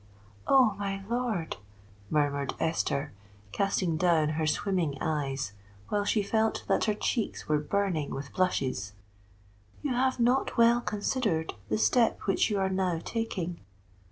"Oh! my lord," murmured Esther, casting down her swimming eyes, while she felt that her cheeks were burning with blushes, "you have not well considered the step which you are now taking."